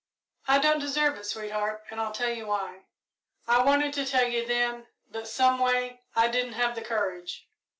"I don't deserve it, sweetheart, and I'll tell you why. I wanted to tell you then, but, someway, I didn't have the courage.